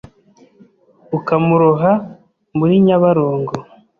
Ukamuroha muri nyabarongo